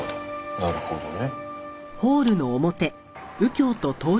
なるほどね。